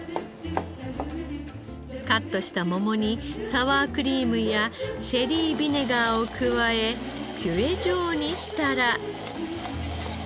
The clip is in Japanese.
カットした桃にサワークリームやシェリービネガーを加えピュレ状にしたら。